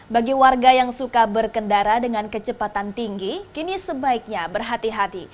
bagi warga yang suka berkendara dengan kecepatan tinggi kini sebaiknya berhati hati